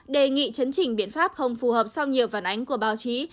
đề nghị chấn chỉnh biện pháp không phù hợp sau nhiều phản ánh của báo chí